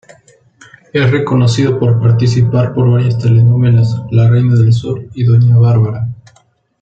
Es reconocido por participar por varias telenovelas La reina del sur y Doña Barbara.